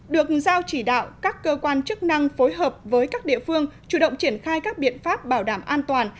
được giao chỉ đạo các cơ quan chức năng phối hợp với các địa phương chủ động triển khai các biện pháp bảo đảm an toàn